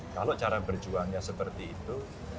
kalau cara berjuangnya seperti itu